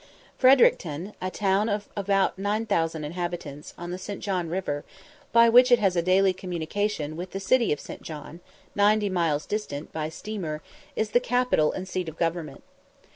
Fredericton, a town of about 9000 inhabitants, on the St. John river, by which it has a daily communication with the city of St. John, 90 miles distant, by steamer, is the capital and seat of government.